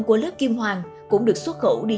của lớp kim hoàng cũng được xuất khẩu đi